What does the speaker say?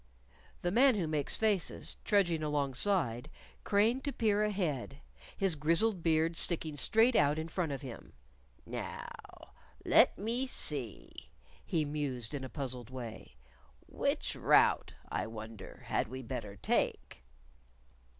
The Man Who Makes Faces, trudging alongside, craned to peer ahead, his grizzled beard sticking straight out in front of him. "Now, let me see," he mused in a puzzled way. "Which route, I wonder, had we better take?"